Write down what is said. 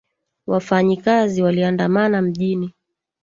Wafanyikazi waliandamana mjini